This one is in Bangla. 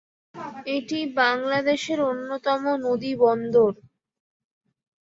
এটি বাংলাদেশের অন্যতম নদী বন্দর।